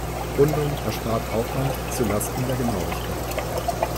Rundung erspart Aufwand zu Lasten der Genauigkeit.